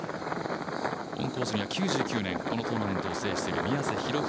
オンコースには９９年このトーナメントを制している宮瀬博文